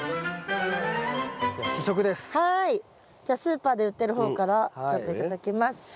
じゃあスーパーで売ってる方からちょっと頂きます。